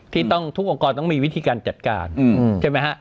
ที่ต้องทุกองค์กรต้องมีวิธีการจัดการใช่ไหมฮะ